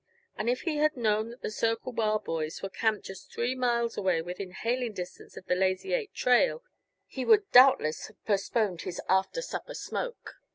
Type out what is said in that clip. And if he had known that the Circle Bar boys were camped just three miles away within hailing distance of the Lazy Eight trail, he would doubtless have postponed his after supper smoke.